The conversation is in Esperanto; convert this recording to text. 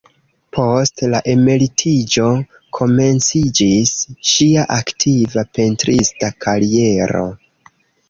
Post la emeritiĝo komenciĝis ŝia aktiva pentrista kariero.